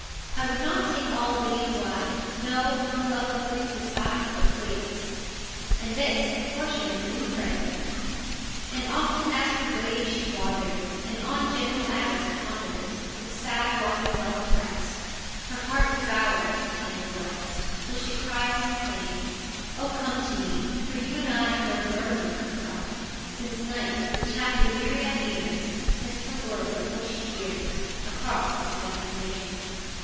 I would not take all Lydia wide, No, nor lovely Greece beside, For Cleis. And this, a portion of a new fragment : And often as her way she wanders, And on gentle Attis ponders, With sad longing love opprest, Her heart devours her tender breast Till she cries, in pain, ' Oh, come to me/ for you and I Know the burden of her cry, Since Night, which hath the myriad ears, Sends her word of what she hears Across the severing main.